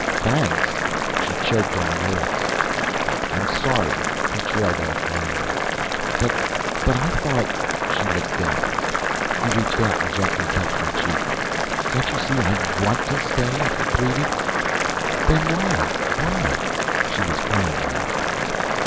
"Thanks?" She choked on the words. "I'm sorry " he trailed off, lamely. "But ... but I thought " She looked down. He reached out and gently touched her cheek. "Can't you see I want to stay?" he pleaded. "Then why? Why?" She was crying now.